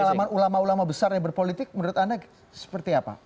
pengalaman ulama ulama besar yang berpolitik menurut anda seperti apa